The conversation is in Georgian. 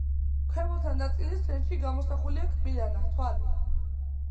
ქვემოთა ნაწილის ცენტრში გამოსახულია კბილანა თვალი.